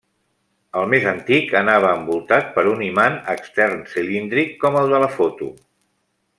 El més antic anava envoltat per un imant extern cilíndric, com el de la foto.